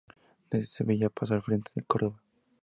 Desde Sevilla pasó al frente de Córdoba.